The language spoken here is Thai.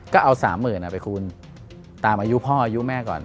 ก็เอา๓๐๐๐ไปคูณตามอายุพ่ออายุแม่ก่อน